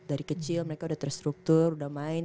dari kecil mereka udah terstruktur udah main